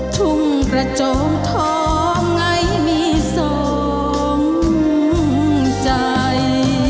ทุ่มประจงท้องไงมีทรงใจ